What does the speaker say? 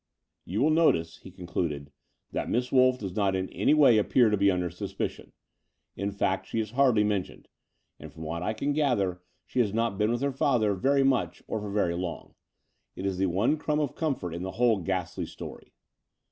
"You will notice," he conduded, "that Miss Wolff does not in any way appear to be under suspidon. In fact, she is hardly mentioned : and from what I cac gather she has not been with her father very much or for very long. It is the one crumb of comfort in the whole ghastly story.